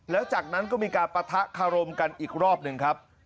แล้วจากนั้นก็มีการปะทะคารมกันอีกรอบหนึ่งครับ